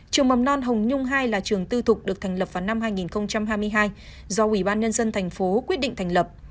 trường mầm non hồng nhung hai là trường tư thục được thành lập vào năm hai nghìn hai mươi hai do ủy ban nhân dân thành phố quyết định thành lập